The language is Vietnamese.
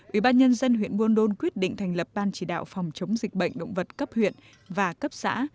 ubnd huyện buôn đôn quyết định thành lập ban chỉ đạo phòng chống dịch bệnh động vật cấp huyện và cấp xã